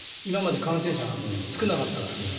今まで感染者が少なかったから。